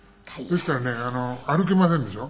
ですからね歩けませんでしょ？